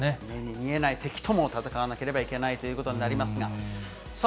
見えない敵とも戦わなければいけないということになりますが、さあ